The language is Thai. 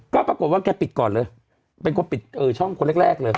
ก็ปรากฏว่าแกปิดก่อนเลยเป็นคนปิดช่องคนแรกเลย